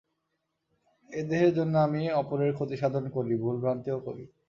এই দেহের জন্য আমি অপরের ক্ষতিসাধন করি, ভুলভ্রান্তিও করি।